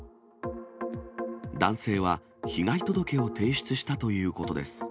男性は被害届を提出したということです。